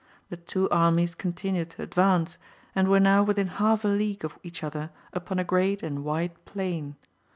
The two armies continued to advance, and were now within half a league of each other upon a great and wide plain.